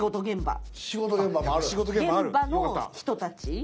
現場の人たち。